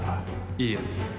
いいえ。